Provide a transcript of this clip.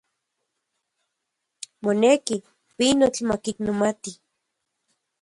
Moneki, pinotl makiknomati.